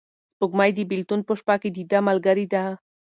سپوږمۍ د بېلتون په شپه کې د ده ملګرې ده.